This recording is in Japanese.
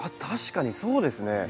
確かにそうですね